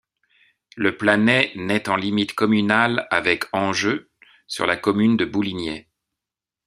Le Planey naît en limite communale avec Anjeux, sur la commune de Bouligney.